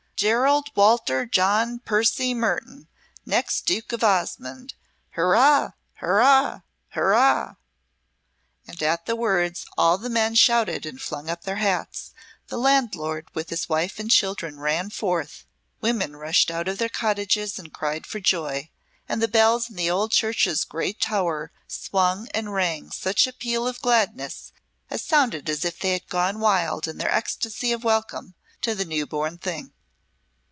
Gerald Walter John Percy Mertoun, next Duke of Osmonde! Hurrah, hurrah, hurrah!" And at the words all the men shouted and flung up their hats, the landlord with his wife and children ran forth, women rushed out of their cottages and cried for joy and the bells in the old church's grey tower swung and rang such a peal of gladness as sounded as if they had gone wild in their ecstacy of welcome to the new born thing.